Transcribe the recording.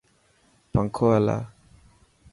پنکو هلا.